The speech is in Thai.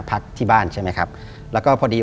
พักที่บ้านใช่ไหมครับแล้วก็พอดี